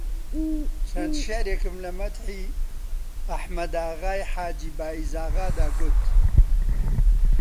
چەند شیعرێکم لە مەدحی ئەحمەداغای حاجی بایزاغادا گوت